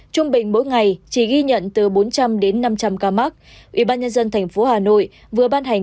trung bình mỗi ngày chỉ ghi nhận từ bốn trăm linh đến năm trăm linh ca mắc ủy ban nhân dân thành phố hà nội vừa ban hành